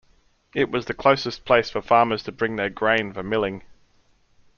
It was the closest place for farmers to bring their grain for milling.